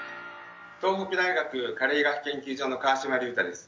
東北大学加齢医学研究所の川島隆太です。